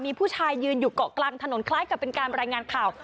มีผู้ชายยืนอยู่เกาะกลางถนนคล้ายกับเป็นการรายงานข่าว